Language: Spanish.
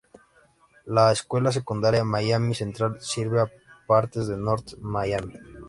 La Escuela Secundaria Miami Central sirve a partes de North Miami.